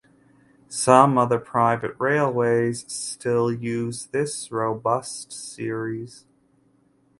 Some other private railways still use this robust series.